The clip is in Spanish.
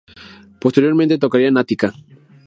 Posteriormente tocaría en Attica.